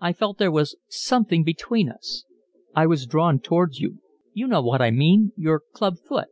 I felt there was something between us. I was drawn towards you—you know what I mean, your club foot."